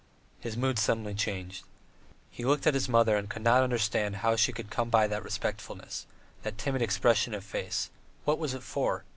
His mood suddenly changed. He looked at his mother and could not understand how she had come by that respectfulness, that timid expression of face: what was it for?